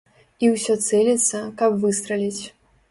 І ўсё цэліцца, каб выстраліць.